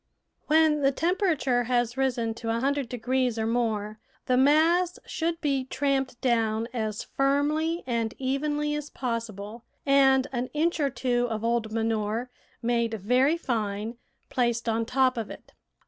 When the temperature has risen to a hundred degrees or more the mass should be tramped down as firmly and evenly as possible and an inch or two of old manure, made very fine, placed on top of it.